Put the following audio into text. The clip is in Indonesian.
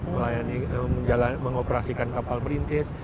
melayani mengoperasikan kapal perintis